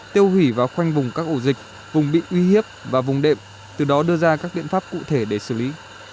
tiêu hủy và khoanh vùng các ổ dịch vùng bị uy hiếp và vùng đệm từ đó đưa ra các biện pháp cụ thể để xử lý